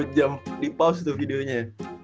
tiga puluh jam di pause tuh videonya